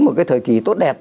một cái thời kỳ tốt đẹp